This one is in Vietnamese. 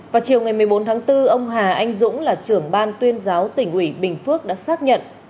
vào chiều ngày một mươi bốn tháng bốn ông hà anh dũng là trưởng ban tuyên giáo tỉnh ủy bình phước đã xác nhận